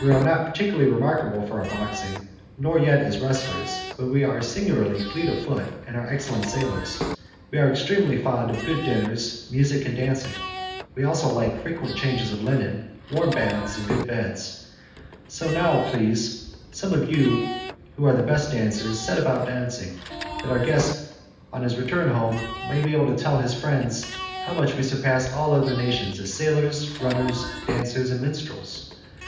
We are not particularly remarkable for our boxing, nor yet as wrestlers, but we are singularly fleet of foot and are excellent sailors. We are extremely fond of good dinners, music, and dancing; we also like frequent changes of linen, warm baths, and good beds, so now, please, some of you who are the best dancers set about dancing, that our guest on his return home may be able to tell his friends how much we surpass all other nations as sailors, runners, dancers, and minstrels.